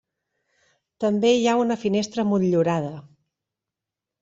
També hi ha una finestra motllurada.